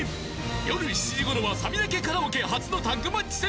夜７時ごろはサビだけカラオケ初のタッグマッチ戦。